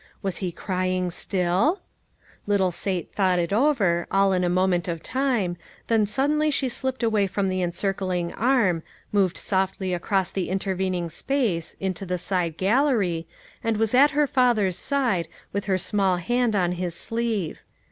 Was he crying still ? 360 LITTLE FISHERS: AND THEIR NETS. Little Sate thought it over, all in a moment of time, then suddenly she slipped away from the encircling arm, moved softly across the interven ing space, into the side gallery, and was at her father's side, with her small hand on his sleeve.